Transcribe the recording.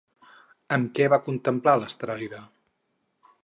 Amb què van contemplar l'asteroide?